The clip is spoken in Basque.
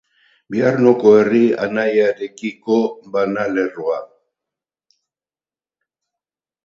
Biarnoko herri anaiarekiko banalerroa.